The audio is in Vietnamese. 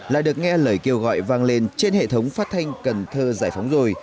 lại được nghe lời kêu gọi vang lên trên hệ thống phát thanh cần thơ giải phóng rồi